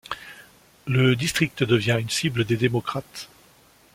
Le district devient une cible des démocrates.